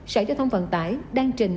sở giới thông vận tải đang trình